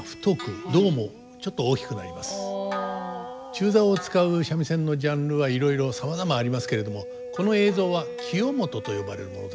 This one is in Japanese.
中棹を使う三味線のジャンルはいろいろさまざまありますけれどもこの映像は清元と呼ばれるものです。